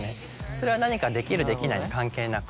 それは何かできるできないに関係なく。